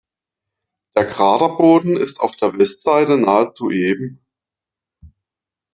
Der Kraterboden ist auf der Westseite nahezu eben.